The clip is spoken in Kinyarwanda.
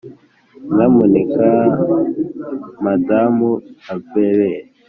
nyamuneka madamu avery